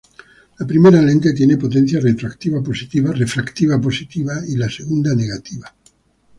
La primera lente tiene potencia refractiva positiva y la segunda negativa.